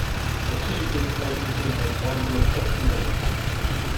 The Champions League campaign was one with ups and downs.